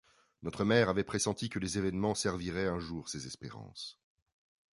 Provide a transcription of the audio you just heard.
Notre mère avait pressenti que les événements serviraient un jour ses espérances.